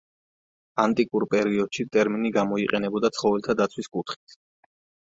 ანტიკურ პერიოდში ტერმინი გამოიყენებოდა ცხოველთა დაცვის კუთხით.